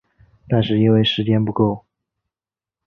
但是因为时间不够